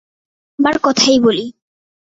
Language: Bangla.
আমার কথাই বলি...